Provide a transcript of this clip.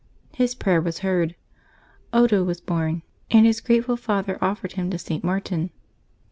His prayer was heard; Odo was born, and his grateful father offered him to St. Martin.